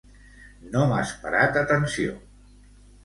No m'has parat atenció.